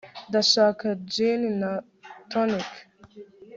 ndashaka gin na tonic